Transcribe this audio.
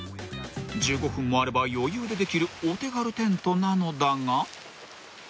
［１５分もあれば余裕でできるお手軽テントなのだが］